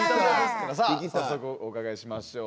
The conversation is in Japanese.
さあ早速お伺いしましょう。